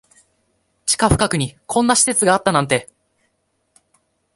地下深くにこんな施設があったなんて